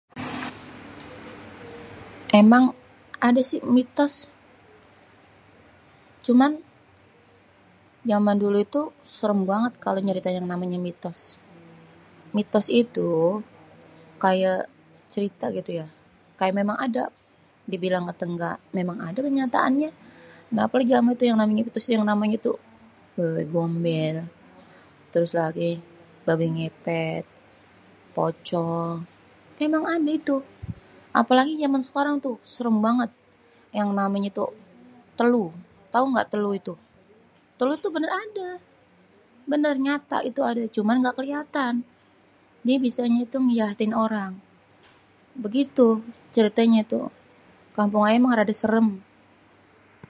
Emang adé si mitos, cuman zaman dulu itu serem banget kalau nyerita yang namanya mitos. Mitos itu kayé cerité gitu ya kayé memang ade dibilang kate engga memang ade kenyataannye apalagi yang namenye tuh wewe gombél, terus lagi babi ngepet, pocong, emang adé ituh, apelagi zaman sekarang tuh serem banget yang namenye tuh teluh, tau gak teluh itu. Teluh tuh bener ade bener nyata itu adé cuman kaga keliatan dia biasanye tuh ngejahatin orang begitu. Ceritenyé toh kampung ayé emang rada serem.